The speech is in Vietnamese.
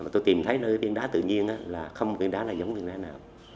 tôi tìm thấy nơi biển đá tự nhiên là không biển đá là giống biển đá nào